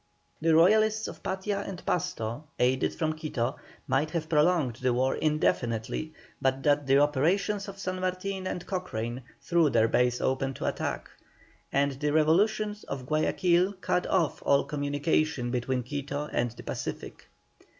The Royalists of Patia and Pasto, aided from Quito, might have prolonged the war indefinitely but that the operations of San Martin and Cochrane threw their base open to attack, and the revolution of Guayaquil cut off all communication between Quito and the Pacific.